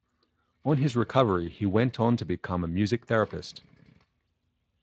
On his recovery he went on to become a music therapist.